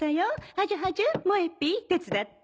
ハジュハジュもえＰ手伝って。